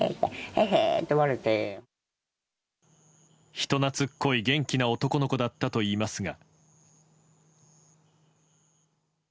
人懐っこい、元気な男の子だったといいますが。